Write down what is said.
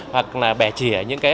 hoặc là bẻ chỉa những cái